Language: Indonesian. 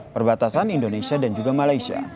perbatasan indonesia dan juga malaysia